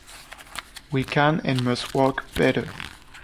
We can and must work better.